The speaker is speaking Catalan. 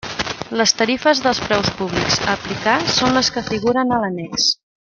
Les tarifes dels preus públics a aplicar són les que figuren a l'annex.